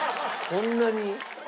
そんなに？